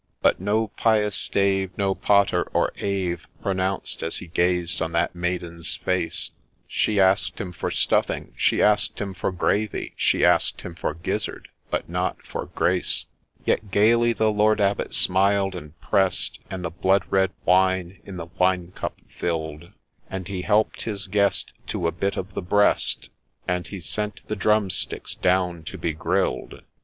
But no pious stave, no Pater or Ave Pronounced, as he gazed on that maiden's face : She ask'd him for stuffing, she ask'd him for gravy, She ask'd him for gizzard ;— but not for Grace I Yet gaily the Lord Abbot smiled, and press'd, And the blood red wine hi the wine cup fill'd ; And he help'd his guest to a bit of the breast, And he sent the drumsticks down to be grill'd.